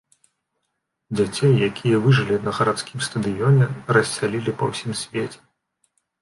Дзяцей, якія выжылі на гарадскім стадыёне, рассялілі па ўсім свеце.